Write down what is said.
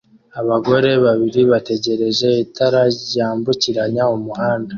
Abagore babiri bategereje itara ryambukiranya umuhanda